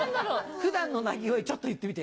普段の鳴き声ちょっと言ってみて。